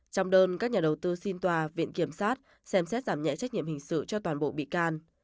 trong đơn các nhà đầu tư xin tòa viện kiểm sát xem xét giảm nhẹ trách nhiệm hình sự cho toàn bộ bị can